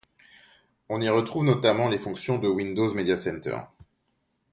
On y retrouve notamment les fonctions de Windows Media Center.